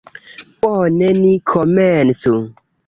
Bone, ni komencu.